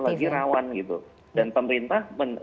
lagi rawan gitu dan pemerintah